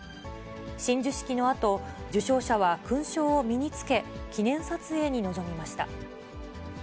親授式のあと、受章者は勲章を身につけ、記念撮影に臨みました。